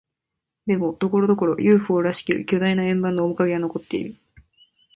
でも、ところどころ、ＵＦＯ らしき巨大な円盤の面影は残っている。